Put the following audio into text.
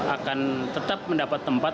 akan tetap mendapat tempat